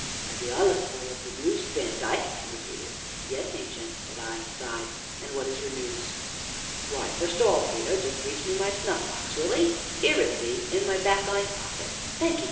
"I be allus full up o' noos, bean't I?" he repeated. "Yes, Ancient," said I, and sighed; "and what is your news?" "Why, first of all, Peter, jest reach me my snuff box, will 'ee? 'ere it be in my back 'ind pocket thankee!